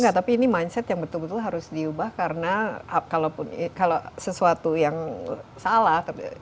enggak tapi ini mindset yang betul betul harus diubah karena kalau sesuatu yang salah